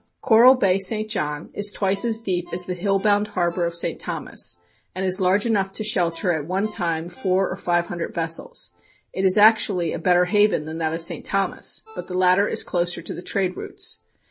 Coral Bay, St. John, is twice as deep as the hill bound harbor of St. Thomas, and is large enough to shelter at one time four or five hundred vessels. It is actually a better haven than that of St. Thomas, but the latter is closer to the trade routes.